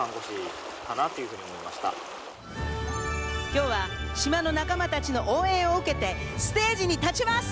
きょうは、島の仲間たちの応援を受けてステージに立ちます。